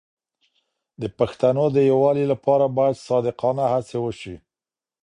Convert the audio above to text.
د پښتنو د یووالي لپاره باید صادقانه هڅې وشي.